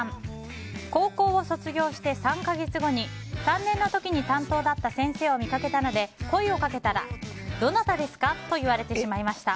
高校を卒業して３か月後に３年の時に担当だった先生を見かけたので声をかけたら、どなたですか？と言われてしまいました。